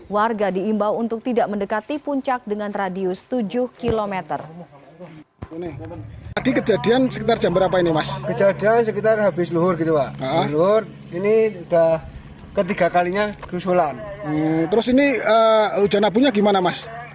warga diimbau untuk tidak mendekati puncak dengan radius tujuh km